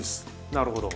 なるほど。